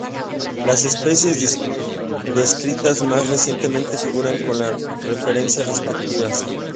Las especies descritas más recientemente figuran con las referencias respectivas.